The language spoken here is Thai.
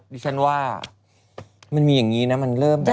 ดิฉันว่ามันมีอย่างนี้นะมันเริ่มแบบ